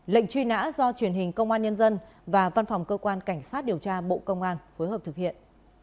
lệnh truy nã do truyền hình công an nhân dân và văn phòng cơ quan cảnh sát điều tra bộ công an phối hợp thực hiện